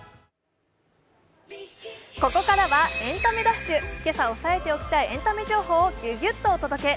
ここからは「エンタメダッシュ」、今朝押さえておきたいエンタメ情報をギュギュッとお届け。